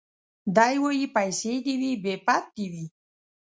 دی وايي پيسې دي وي بې پت دي وي